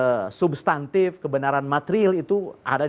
silakan saja kebenaran substantif kebenaran materil itu ada di dalam politik